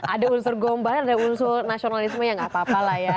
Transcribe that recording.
ada unsur gombar ada unsur nasionalisme ya nggak apa apa lah ya